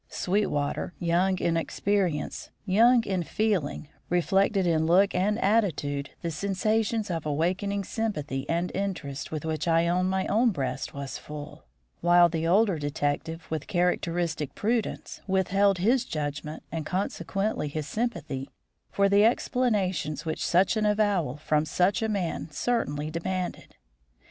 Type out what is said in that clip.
Sweetwater, young in experience, young in feeling, reflected in look and attitude the sensations of awakening sympathy and interest with which I own my own breast was full, while the older detective, with characteristic prudence, withheld his judgment, and, consequently, his sympathy, for the explanations which such an avowal from such a man certainly demanded.